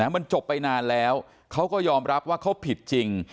มันจบไปนานแล้วเขาก็ยอมรับว่าเขาผิดจริง